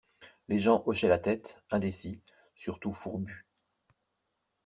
Les gens hochaient la tête, indécis, surtout fourbus.